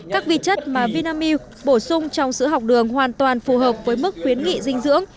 các vi chất mà vinamilk bổ sung trong sữa học đường hoàn toàn phù hợp với mức khuyến nghị dinh dưỡng